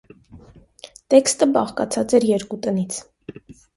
Տեքստը բաղկացած էր երկու տնից։